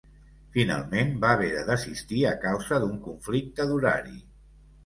Finalment, va haver de desistir a causa d'un conflicte d'horari.